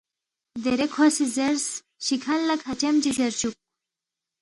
دیرے کھو سی زیرس، شی کھن لہ کھچیم چی زیر چُوک